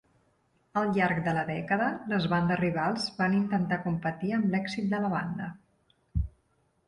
Al llarg de la dècada, les bandes rivals van intentar competir amb l'èxit de la banda.